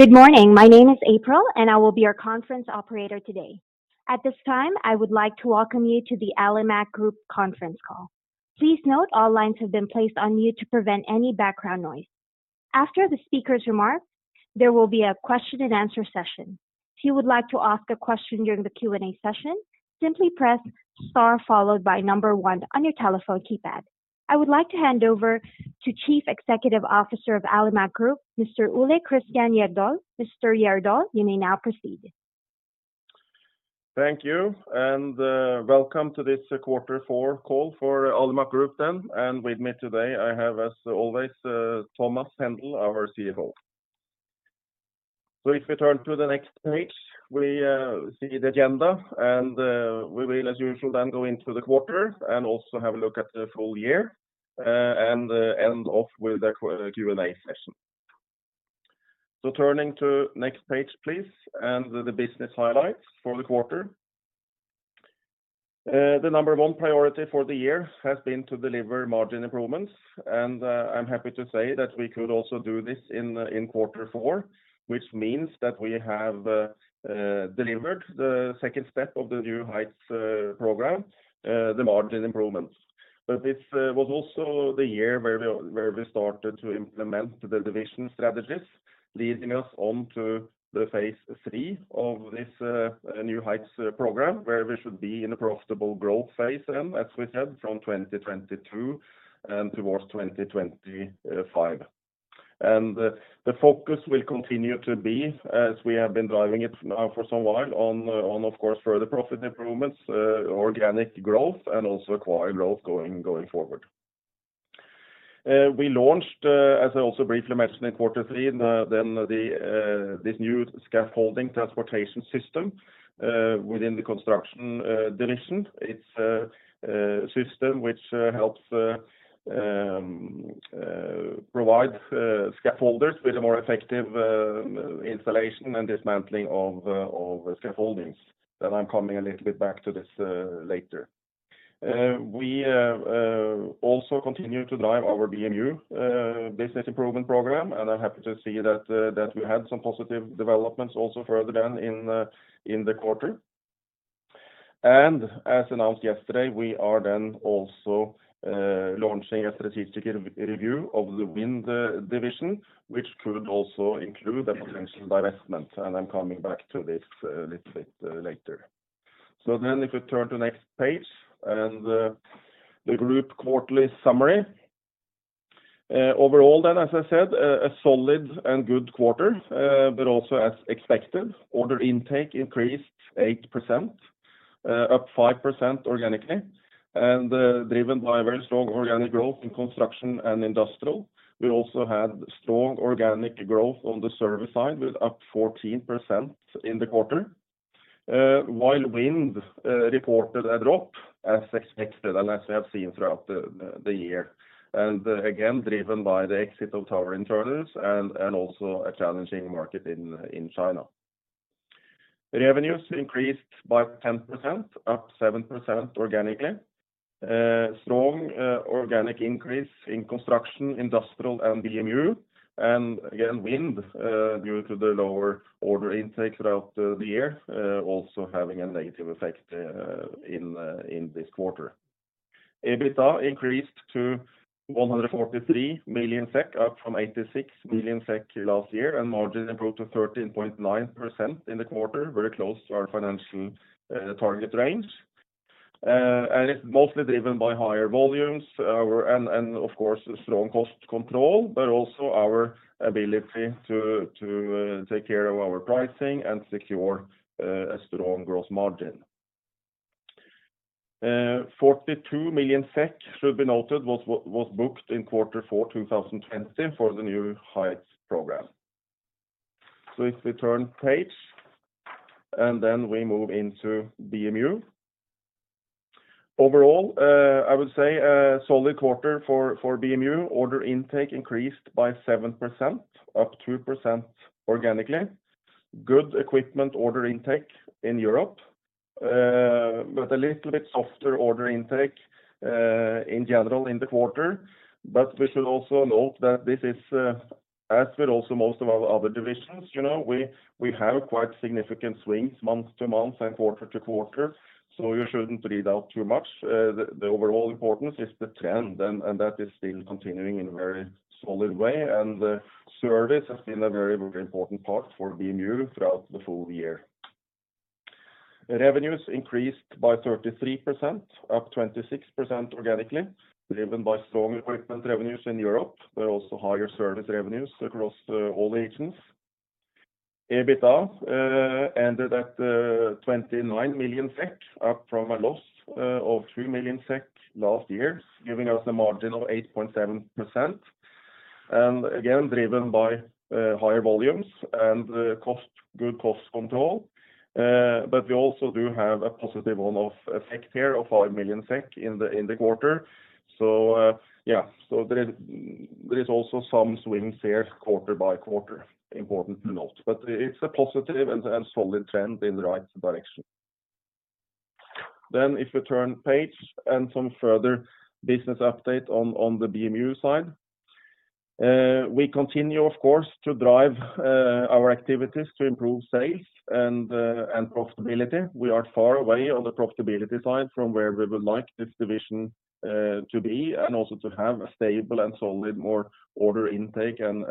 Good morning. My name is April, and I will be your conference operator today. At this time, I would like to welcome you to the Alimak Group conference call. Please note all lines have been placed on mute to prevent any background noise. After the speaker's remarks, there will be a question and answer session. If you would like to ask a question during the Q&A session, simply press Star followed by number one on your telephone keypad. I would like to hand over to Chief Executive Officer of Alimak Group, Mr. Ole Kristian Jødahl. Mr. Jødahl, you may now proceed. Thank you and welcome to this 1/4 four call for Alimak Group then. With me today, I have, as always, Thomas Hendel, our CFO. If we turn to the next page, we see the agenda, and we will, as usual, then go into the 1/4 and also have a look at the full year and end off with a Q&A session. Turning to next page, please, and the business highlights for the 1/4. The number one priority for the year has been to deliver margin improvements. I'm happy to say that we could also do this in 1/4 four, which means that we have delivered the second step of the New Heights program, the margin improvements. This was also the year where we started to implement the division strategies leading us on to the phase three of this New Heights program, where we should be in a profitable growth phase then, as we said, from 2022 and towards 2025. The focus will continue to be, as we have been driving it now for some while, on, of course, further profit improvements, organic growth and also acquire growth going forward. We launched, as I also briefly mentioned in 1/4 three, this new scaffolding transportation system within the construction division. It's a system which helps provide scaffolders with a more effective installation and dismantling of scaffoldings. I'm coming a little bit back to this later. We also continue to drive our BMU business improvement program, and I'm happy to see that we had some positive developments also further down in the 1/4. As announced yesterday, we are then also launching a strategic review of the wind division, which could also include a potential divestment. I'm coming back to this a little bit later. If we turn to next page and the Group quarterly summary. Overall, as I said, a solid and good 1/4, but also as expected. Order intake increased 8%, up 5% organically, and driven by very strong organic growth in construction and industrial. We also had strong organic growth on the service side, with up 14% in the 1/4. While Wind reported a drop as expected and as we have seen throughout the year, and again, driven by the exit of tower internals and also a challenging market in China. Revenues increased by 10%, up 7% organically. Strong organic increase in Construction, Industrial and BMU. Again, Wind due to the lower order intake throughout the year also having a negative effect in this 1/4. EBITDA increased to 143 million SEK, up from 86 million SEK last year, and margin improved to 13.9% in the 1/4, very close to our financial target range. It's mostly driven by higher volumes and, of course, strong cost control, but also our ability to take care of our pricing and secure a strong gross margin. 42 million SEK should be noted, was booked in 1/4 four 2020 for the New Heights program. If we turn page, and then we move into BMU. Overall, I would say a solid 1/4 for BMU order intake increased by 7%, up 2% organically. Good equipment order intake in Europe, but a little bit softer order intake, in general in the 1/4. But we should also note that this is, as with also most of our other divisions, you know, we have quite significant swings month to month and 1/4 to 1/4. You shouldn't read out too much. The overall importance is the trend and that is still continuing in a very solid way. Service has been a very important part for BMU throughout the full year. Revenues increased by 33%, up 26% organically, driven by strong equipment revenues in Europe, but also higher service revenues across all regions. EBITDA ended at 29 million SEK, up from a loss of 3 million SEK last year, giving us a margin of 8.7%, and again driven by higher volumes and good cost control. We also do have a positive One-Off effect here of 5 million SEK in the 1/4. Yeah. There is also some swings here 1/4 by 1/4, important to note, but it's a positive and solid trend in the right direction. If you turn page and some further business update on the BMU side. We continue of course to drive our activities to improve sales and profitability. We are far away on the profitability side from where we would like this division to be, and also to have a stable and solid more order intake and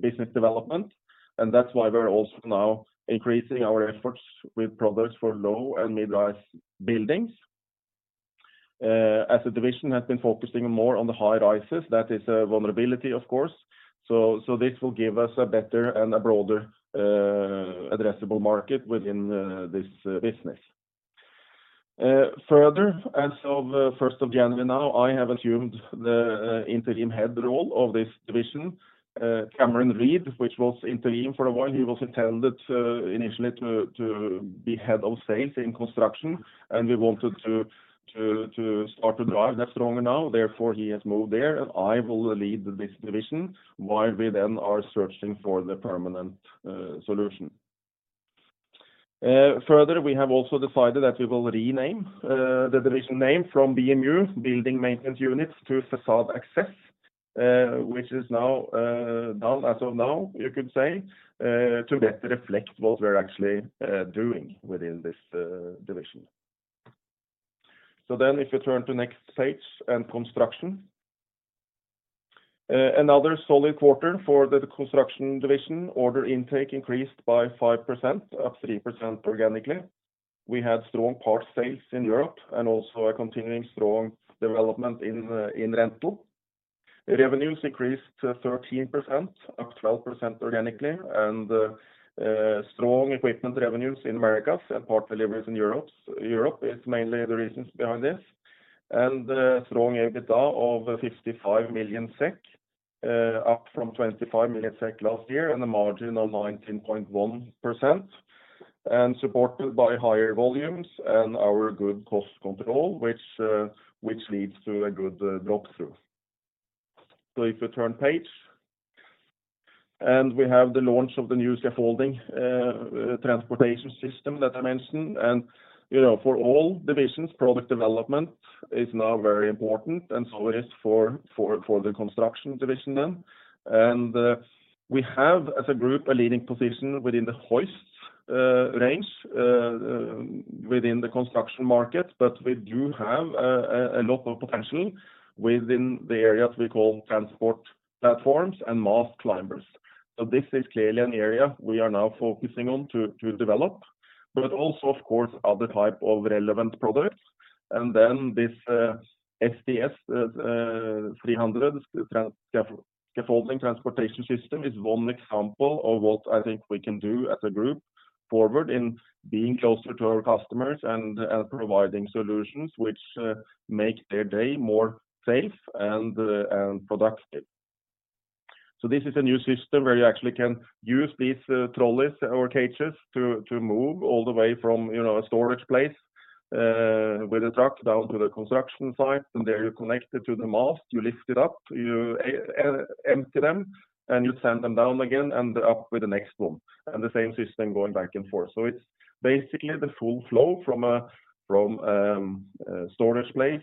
business development. That's why we're also now increasing our efforts with products for low and Mid-Rise buildings. As the division has been focusing more on the high-rises, that is a vulnerability of course. This will give us a better and a broader addressable market within this business. Further, as of first of January now, I have assumed the interim head role of this division. Cameron Reid, who was interim for a while, he was intended initially to be head of sales in construction, and we wanted to start to drive that stronger now. Therefore, he has moved there and I will lead this division while we then are searching for the permanent solution. Further, we have also decided that we will rename the division name from BMU, Building Maintenance Units, to Facade Access, which is now done as of now, you could say, to better reflect what we're actually doing within this division. If you turn to next page and construction. Another solid 1/4 for the construction division. Order intake increased by 5%, up 3% organically. We had strong parts sales in Europe and also a continuing strong development in rental. Revenues increased 13%, up 12% organically, and strong equipment revenues in Americas and part deliveries in Europe. Europe is mainly the reasons behind this. Strong EBITDA of 55 million SEK, up from 25 million SEK last year, and a margin of 19.1%, and supported by higher volumes and our good cost control, which leads to a good Drop-Through. If you turn page. We have the launch of the new scaffolding transportation system that I mentioned. You know, for all divisions, product development is now very important, and so it is for the construction division then. We have, as a group, a leading position within the hoists range within the construction market. We do have a lot of potential within the areas we call transport platforms and mast climbers. This is clearly an area we are now focusing on to develop, but also of course, other type of relevant products. Then this STS 300 scaffolding transportation system is one example of what I think we can do as a group forward in being closer to our customers and providing solutions which make their day more safe and productive. This is a new system where you actually can use these trolleys or cages to move all the way from, you know, a storage place with a truck down to the construction site. There you connect it to the mast, you lift it up, you empty them, and you send them down again and up with the next one. The same system going back and forth. It's basically the full flow from storage place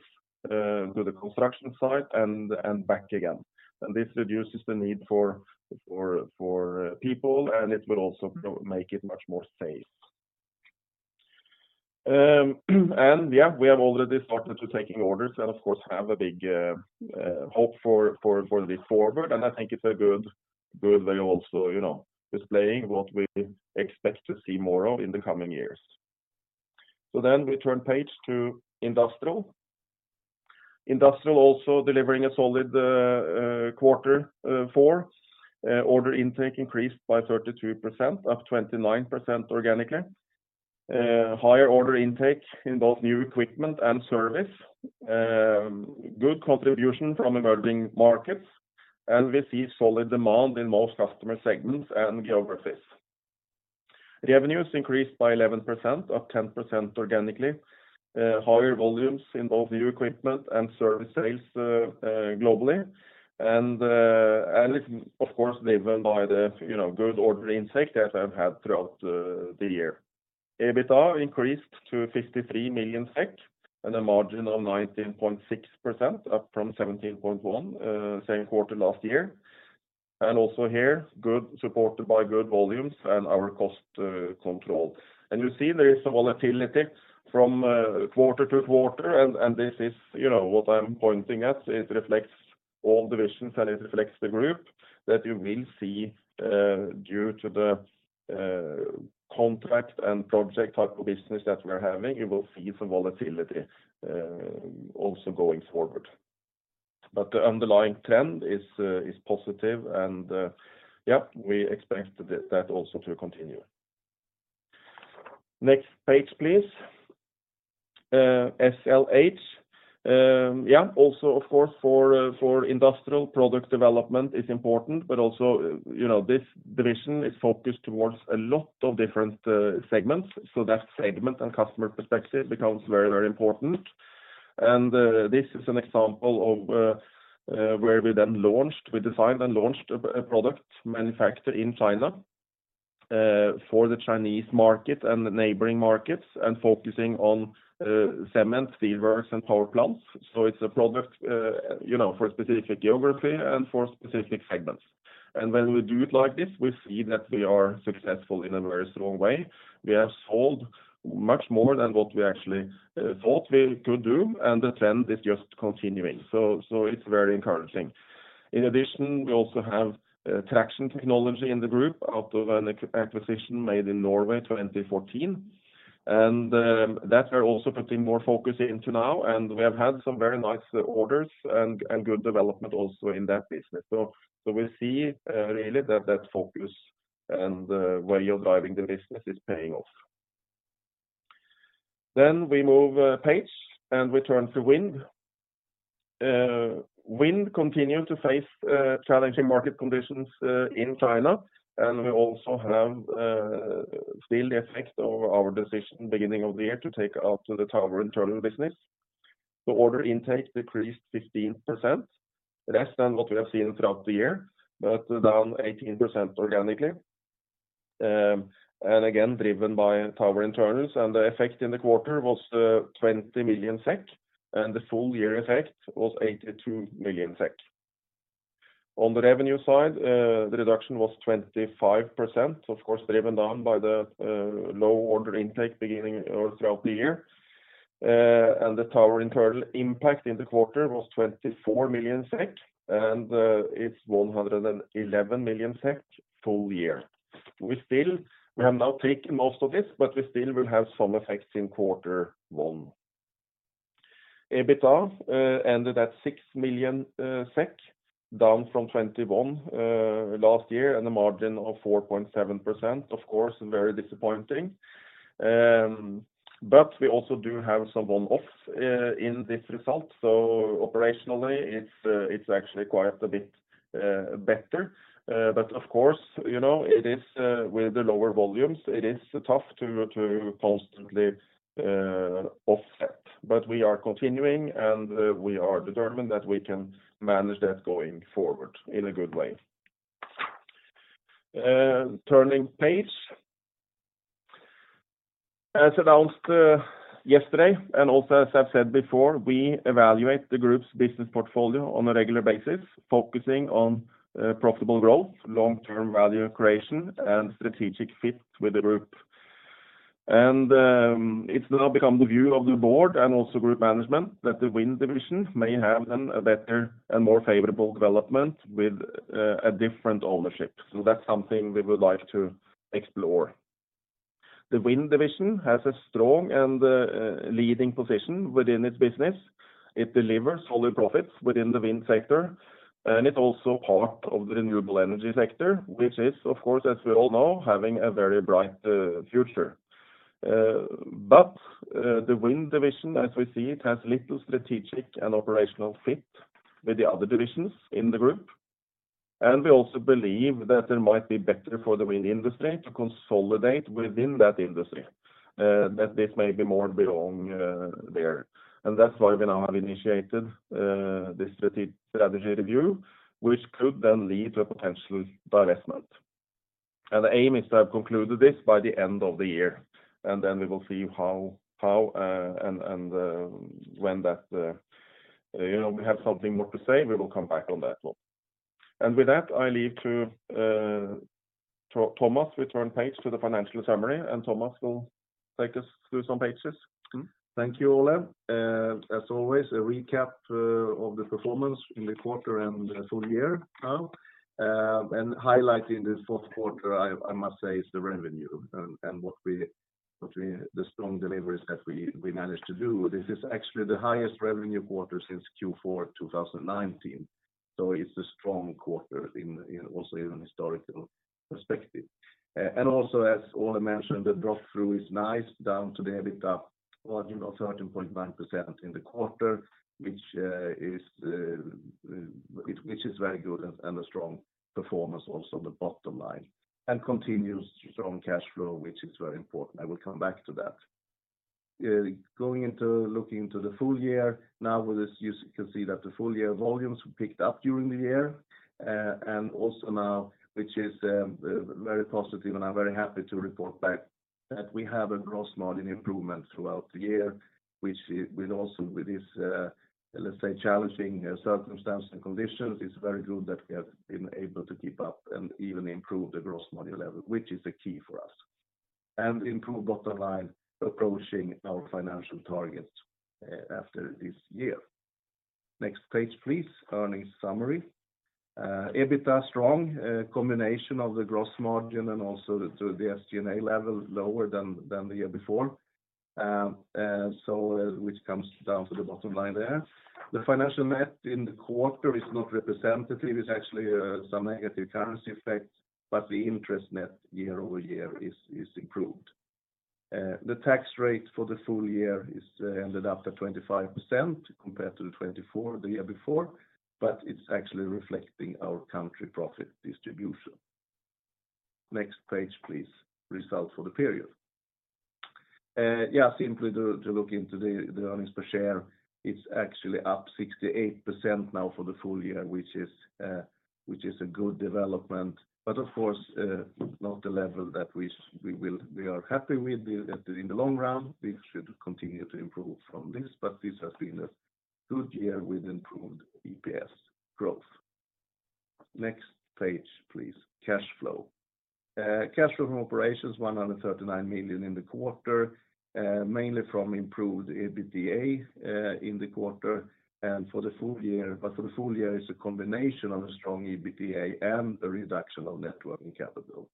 to the construction site and back again. This reduces the need for people, and it will also make it much more safe. Yeah, we have already started to taking orders and of course have a big hope for this forward. I think it's a good way also, you know, displaying what we expect to see more of in the coming years. We turn page to Industrial. Industrial also delivering a solid 1/4 four. Order intake increased by 32%, up 29% organically. Higher order intake in both new equipment and service. Good contribution from emerging markets. We see solid demand in most customer segments and geographies. Revenues increased by 11%, up 10% organically. Higher volumes in both new equipment and service sales globally. It's of course driven by the, you know, good order intake that I've had throughout the year. EBITDA increased to 53 million SEK and a margin of 19.6%, up from 17.1% same 1/4 last year. Also here, supported by good volumes and our cost control. You see there is some volatility from 1/4 to 1/4. This is, you know, what I'm pointing at, it reflects all divisions and it reflects the group that you will see due to the contract and project type of business that we're having. You will see some volatility also going forward. The underlying trend is positive. Yeah, we expect that also to continue. Next page, please. SL-H. Yeah, also of course for industrial product development is important, but also, you know, this division is focused towards a lot of different segments. That segment and customer perspective becomes very important. This is an example of where we designed and launched a product manufactured in China for the Chinese market and the neighboring markets and focusing on cement, steelworks, and power plants. It's a product, you know, for a specific geography and for specific segments. When we do it like this, we see that we are successful in a very strong way. We have sold much more than what we actually thought we could do, and the trend is just continuing. It's very encouraging. In addition, we also have traction technology in the group out of an acquisition made in Norway 2014. That we're also putting more focus into now, and we have had some very nice orders and good development also in that business. We see really that focus and way of driving the business is paying off. We move page, and we turn to Wind. Wind continued to face challenging market conditions in China, and we also have still the effect of our decision beginning of the year to take out the tower internal business. The order intake decreased 15%, less than what we have seen throughout the year, but down 18% organically. Again, driven by tower internals, the effect in the 1/4 was 20 million SEK, and the full year effect was 82 million SEK. On the revenue side, the reduction was 25%, of course, driven down by the low order intake beginning or throughout the year. The tower internal impact in the 1/4 was 24 million SEK, and it's 111 million SEK full year. We have now taken most of this, but we still will have some effects in 1/4 one. EBITDA ended at 6 million SEK, down from 21 last year and a margin of 4.7%, of course, very disappointing. We also do have some One-Offf in this result. Operationally, it's actually quite a bit better. Of course, you know, it is with the lower volumes, it is tough to constantly offset. We are continuing, and we are determined that we can manage that going forward in a good way. Turning page. As announced yesterday, and also as I've said before, we evaluate the group's business portfolio on a regular basis, focusing on profitable growth, long-term value creation, and strategic fit with the group. It's now become the view of the board and also group management that the Wind Division may have a better and more favorable development with a different ownership. That's something we would like to explore. The Wind Division has a strong and leading position within its business. It delivers solid profits within the wind sector, and it's also part of the renewable energy sector, which is of course, as we all know, having a very bright future. The wind division, as we see it, has little strategic and operational fit with the other divisions in the group. We also believe that it might be better for the wind industry to consolidate within that industry, that this may be more belong there. That's why we now have initiated this strategy review, which could then lead to a potential divestment. The aim is to have concluded this by the end of the year. Then we will see how and when that, you know, we have something more to say, we will come back on that one. With that, I leave to Thomas. We turn page to the financial summary, and Thomas will take us through some pages. Thank you, Ole. As always, a recap of the performance in the 1/4 and the full year now. And highlighting this fourth 1/4, I must say is the revenue and what we, the strong deliveries that we managed to do. This is actually the highest revenue 1/4 since Q4 2019. So it's a strong 1/4 also in an historical perspective. And also as Ole mentioned, the Drop-Through is nice down to the EBITDA margin of 13.9% in the 1/4, which is very good and a strong performance also on the bottom line, and continuous strong cash flow, which is very important. I will come back to that. Going into looking into the full year now with this, you can see that the full year volumes picked up during the year, and also now, which is very positive, and I'm very happy to report back that we have a gross margin improvement throughout the year, which, with also this, let's say challenging circumstances and conditions, it's very good that we have been able to keep up and even improve the gross margin level, which is a key for us. Improve bottom line approaching our financial targets after this year. Next page, please. Earnings summary. EBITDA strong, combination of the gross margin and also the SG&A level lower than the year before. So which comes down to the bottom line there. The financial net in the 1/4 is not representative. It's actually some negative currency effects, but the interest net year over year is improved. The tax rate for the full year ended up to 25% compared to the 24% the year before, but it's actually reflecting our country profit distribution. Next page, please. Results for the period. Yeah, simply to look into the earnings per share, it's actually up 68% now for the full year, which is a good development. But of course, not the level that we are happy with. In the long run, we should continue to improve from this, but this has been a good year with improved EPS growth. Next page, please. Cash flow. Cash flow from operations, 139 million in the 1/4, mainly from improved EBITDA in the 1/4 and for the full year. For the full year, it's a combination of a strong EBITDA and a reduction of net working capital.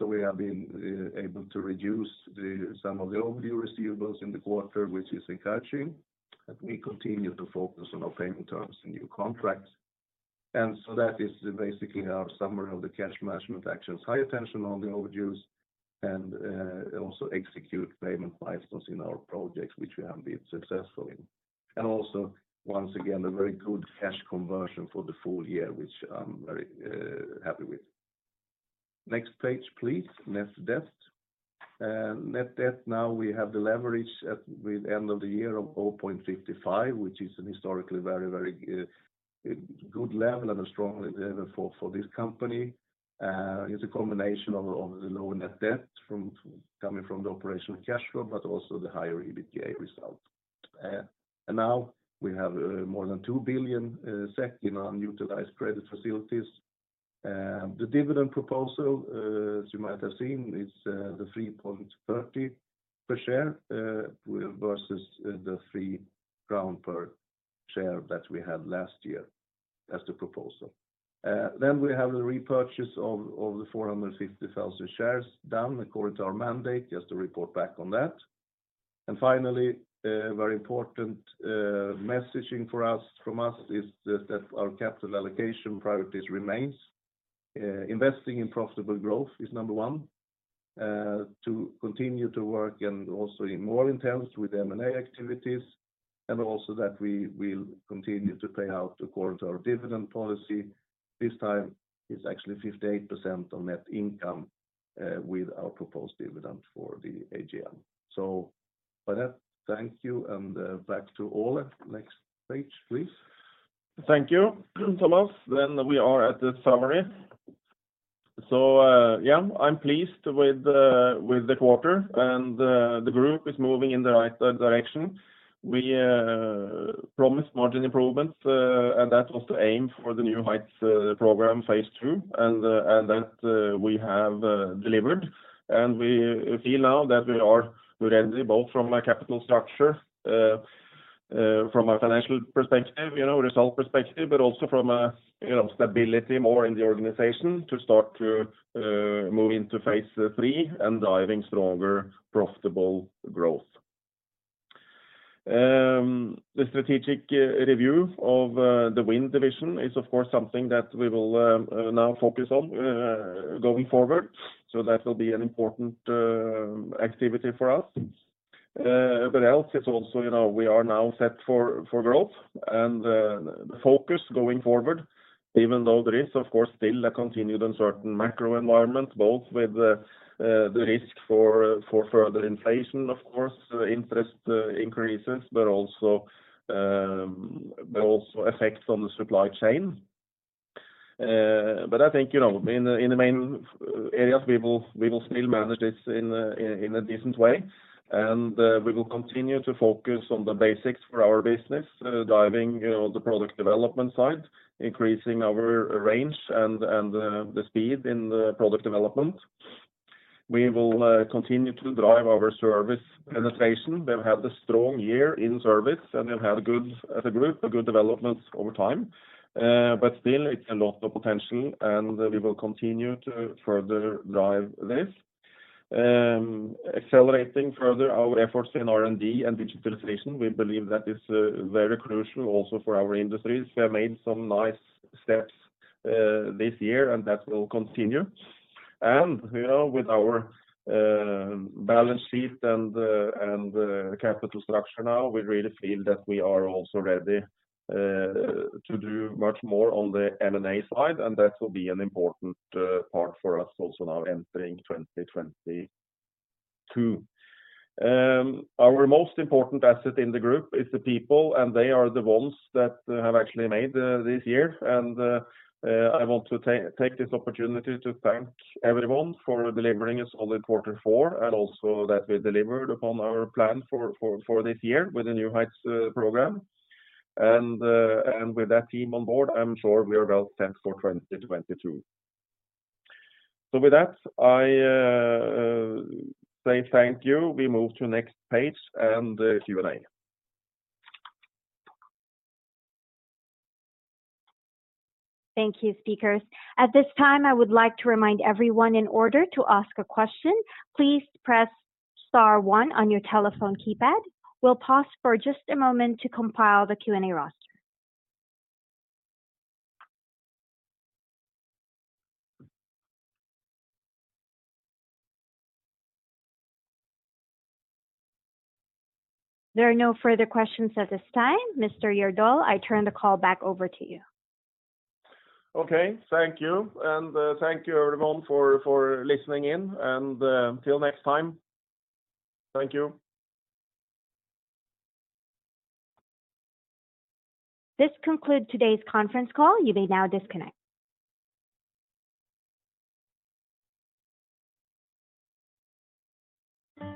We have been able to reduce some of the overdue receivables in the 1/4, which is encouraging. We continue to focus on our payment terms and new contracts. That is basically our summary of the cash management actions, high attention on the overdues, and also execute payment license in our projects, which we have been successful in. Once again, a very good cash conversion for the full year, which I'm very happy with. Next page, please. Net debt. Net debt, now we have the leverage at the end of the year of 0.55, which is a historically very good level and a strong level for this company. It's a combination of the low net debt from the operational cash flow, but also the higher EBITDA result. Now we have more than 2 billion SEK set in our utilized credit facilities. The dividend proposal, as you might have seen, is the 3.30 per share versus the 3 crown per share that we had last year as the proposal. We have the repurchase of the 450,000 shares done according to our mandate, just to report back on that. A very important messaging from us is that our capital allocation priorities remains. Investing in profitable growth is number 1 to continue to work and also in more intense with M&A activities, and also that we will continue to pay out according to our dividend policy. This time is actually 58% on net income with our proposed dividend for the AGM. With that, thank you, and back to Ole. Next page, please. Thank you, Thomas. We are at the summary. I'm pleased with the 1/4 and the group is moving in the right direction. We promised margin improvements and that was the aim for the New Heights program phase two and that we have delivered. We feel now that we are ready both from a capital structure from a financial perspective, you know, result perspective, but also from a you know, stability more in the organization to start to move into phase three and driving stronger, profitable growth. The strategic review of the wind division is, of course, something that we will now focus on going forward. That will be an important activity for us. Well, it's also, you know, we are now set for growth and the focus going forward, even though there is, of course, still a continued uncertain macro environment, both with the risk for further inflation, of course, interest increases, but also effects on the supply chain. I think, you know, in the main areas, we will still manage this in a decent way. We will continue to focus on the basics for our business, driving, you know, the product development side, increasing our range and the speed in the product development. We will continue to drive our service penetration. We've had a strong year in service, and we've had good, as a group, good development over time. Still, it's a lot of potential, and we will continue to further drive this. Accelerating further our efforts in R&D and digitalization, we believe that is very crucial also for our industries. We have made some nice steps this year, and that will continue. You know, with our balance sheet and capital structure now, we really feel that we are also ready to do much more on the M&A side, and that will be an important part for us also now entering 2022. Our most important asset in the group is the people, and they are the ones that have actually made this year. I want to take this opportunity to thank everyone for delivering us all in 1/4 four and also that we delivered upon our plan for this year with the New Heights program. With that team on board, I'm sure we are well set for 2022. With that, I say thank you. We move to next page and the Q&A. Thank you, speakers. At this time, I would like to remind everyone in order to ask a question, please press star one on your telephone keypad. We'll pause for just a moment to compile the Q&A roster. There are no further questions at this time. Mr. Jødahl, I turn the call back over to you. Okay. Thank you. Thank you everyone for listening in. Till next time, thank you. This concludes today's conference call. You may now disconnect.